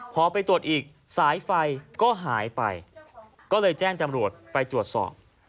พอไปตรวจอีกสายไฟก็หายไปก็เลยแจ้งจำรวจไปตรวจสอบ